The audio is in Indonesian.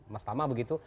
mas tama begitu